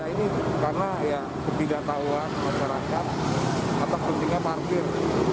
ini karena ketidaktauan masyarakat atau pentingnya parkir